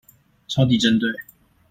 超級針對